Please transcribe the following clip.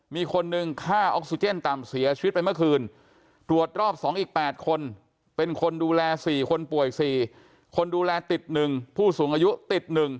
มีคนหนึ่งฆ่าออกซิเจนต่ำเสียชีวิตไปเมื่อคืนตรวจรอบ๒อีก๘คนเป็นคนดูแล๔คนป่วย๔คนดูแลติด๑ผู้สูงอายุติด๑